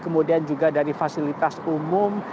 kemudian juga dari fasilitas umum